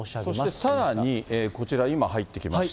そしてさらに、こちら、今入ってきました。